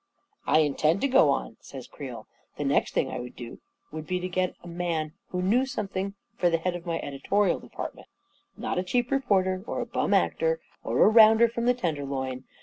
44 I intend to go on," says Creel. " The next thing I would do would be to get a man who knew something for the head of my editorial department. Not a cheap reporter, or a bum actor, or a rounder from the tenderloin.